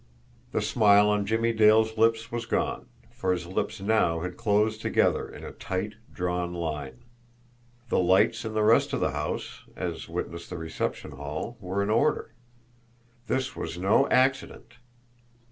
The smile on Jimmie Dale's lips was gone, for his lips now had closed together in a tight, drawn line. The lights in the rest of the house, as witness the reception hall, were in order. This was no ACCIDENT!